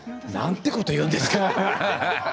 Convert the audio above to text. なんてこと言うんですか。